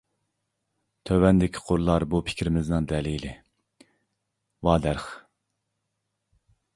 تۆۋەندىكى قۇرلار بۇ پىكرىمىزنىڭ دەلىلى: ۋادەرىخ!